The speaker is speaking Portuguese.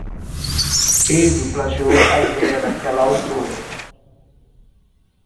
Ele plagiou a ideia daquela autora.